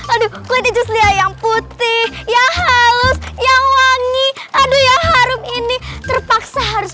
aduh kulit ijus lia yang putih yang halus yang wangi aduh yang harum ini terpaksa harus